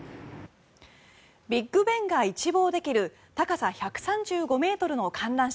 ビッグ・ベンが一望できる高さ１３５ｍの観覧車